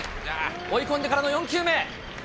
追い込んでからの４球目。